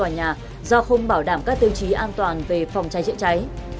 tòa nhà do không bảo đảm các tiêu chí an toàn về phòng cháy chữa cháy